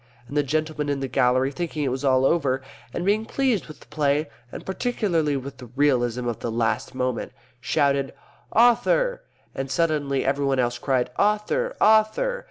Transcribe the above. And the gentleman in the gallery, thinking it was all over, and being pleased with the play and particularly with the realism of the last moment of it, shouted, "Author." And suddenly everybody else cried, "Author! Author."